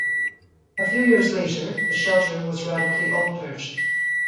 A few years later, the shelter was radically altered.